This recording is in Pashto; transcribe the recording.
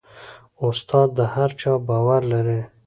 استاد د هر چا باور لري.